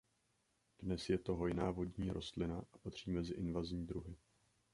Dnes je to hojná vodní rostlina a patří mezi invazní druhy.